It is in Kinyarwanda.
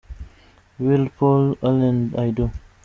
Willy Paul & Alaine – I Do.